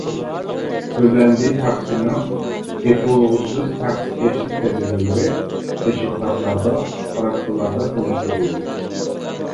تۆلەندى تەخسىنىڭ تېپىلغۇسىز تەخسىكەشلىك تەجرىبىلىرى تەشۋىقاتلاردا، تاراتقۇلاردا تونۇشتۇرۇلدى.